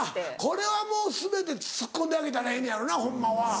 これはもう全てツッコんであげたらええのやろなホンマは。